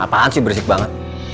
apaan sih berisik banget